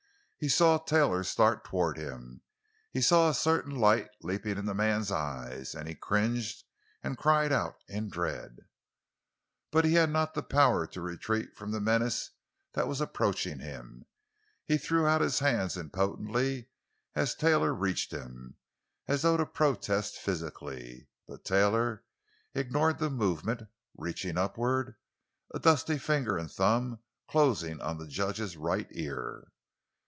He saw Taylor start toward him; he saw a certain light leaping in the man's eyes, and he cringed and cried out in dread. But he had not the power to retreat from the menace that was approaching him. He threw out his hands impotently as Taylor reached him, as though to protest physically. But Taylor ignored the movement, reaching upward, a dusty finger and thumb closing on the judge's right ear.